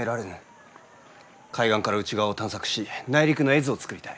海岸から内側を探索し内陸の絵図を作りたい。